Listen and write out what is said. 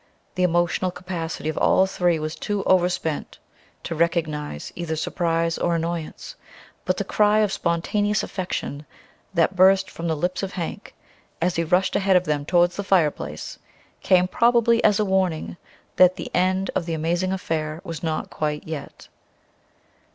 The emotional capacity of all three was too over spent to recognize either surprise or annoyance; but the cry of spontaneous affection that burst from the lips of Hank, as he rushed ahead of them towards the fire place, came probably as a warning that the end of the amazing affair was not quite yet.